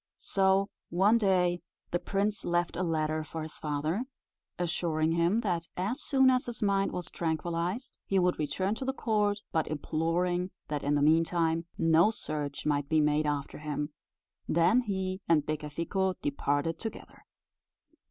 So, one day, the prince left a letter for his father, assuring him, that as soon as his mind was tranquillized he would return to the court, but imploring that in the meantime no search might be made after him; then he and Becafico departed together.